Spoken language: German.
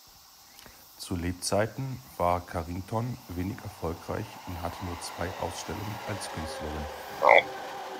Zu Lebzeiten war Carrington wenig erfolgreich und hatte nur zwei Ausstellungen als Künstlerin.